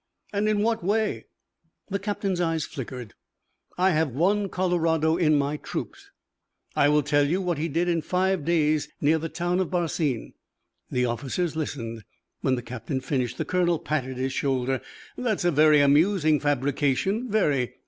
"And in what way?" The captain's eyes flickered. "I have one Colorado in my troops. I will tell you what he did in five days near the town of Barsine." The officers listened. When the captain finished, the colonel patted his shoulder. "That is a very amusing fabrication. Very.